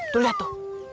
tuh liat tuh